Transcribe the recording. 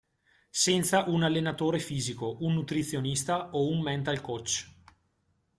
Senza un allenatore fisico, un nutrizionista o un mental coach.